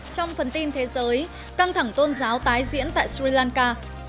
trong phần tin thế giới căng thẳng tôn giáo tái diễn tại sri lanka